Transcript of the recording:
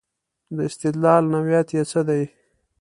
د استدلال نوعیت یې څه دی.